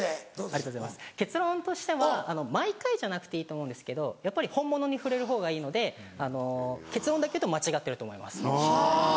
ありがとうございます結論としては毎回じゃなくていいと思うんですけどやっぱり本物に触れるほうがいいので結論だけ言うと間違ってると思います。